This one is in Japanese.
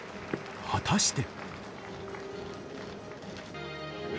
果たして。